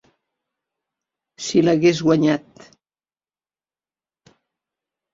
Si l’hagués guanyat….